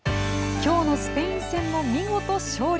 今日のスペイン戦も見事勝利！